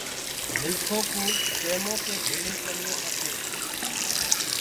منکو ڪو ٽيمو ڪي ڀيݪي چلوو کپي